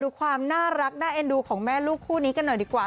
ดูความน่ารักน่าเอ็นดูของแม่ลูกคู่นี้กันหน่อยดีกว่า